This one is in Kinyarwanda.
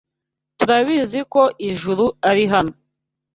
Turabizi ko Juru ari hano.